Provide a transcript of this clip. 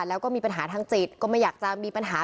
แล้วก็มีปัญหาทางจิตก็ไม่อยากจะมีปัญหา